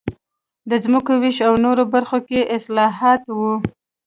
د ځمکو وېش او نورو برخو کې اصلاحات و